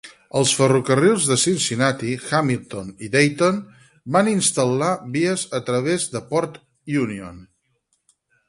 Els ferrocarrils de Cincinnati, Hamilton i Dayton van instal·lar vies a través de Port Union.